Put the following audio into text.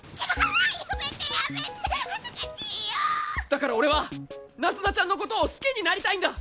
だから俺はナズナちゃんのことを好きになりたいんだ！